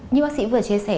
như bác sĩ vừa chia sẻ